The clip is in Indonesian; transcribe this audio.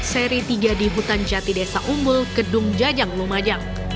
seri tiga di hutan jati desa umbul kedung jajang lumajang